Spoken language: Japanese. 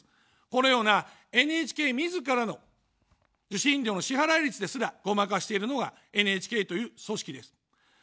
このようなＮＨＫみずからの、受信料の支払い率ですら、ごまかしているのがＮＨＫという組織です。